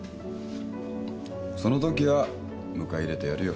そのときは迎え入れてやるよ。